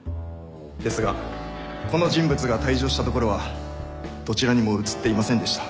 ですがこの人物が退場したところはどちらにも映っていませんでした。